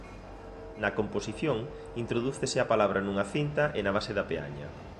Na composición introdúcese a palabra nunha cinta e na base da peaña.